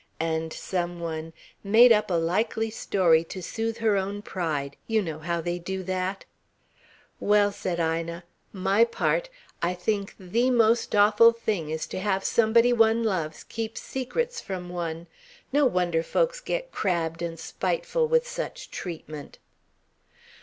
And some one "made up a likely story to soothe her own pride you know how they do that?" "Well," said Ina, "my part, I think the most awful thing is to have somebody one loves keep secrets from one. No wonder folks get crabbed and spiteful with such treatment."